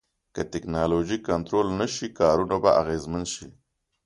که ټکنالوژي کنټرول نشي، کارونه به اغیزمن شي.